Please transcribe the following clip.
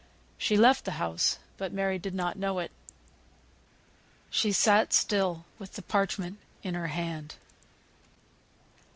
She left the house, but Mary did not know it. She sat still with the parchment in her hand.